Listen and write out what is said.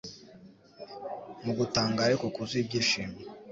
Mu gutangara ariko kuzuye ibyishimo,